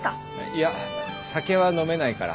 いや酒は飲めないから。